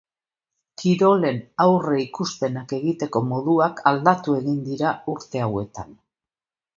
Kirolen aurreikuspenak egiteko moduak aldatu egin dira urte hauetan.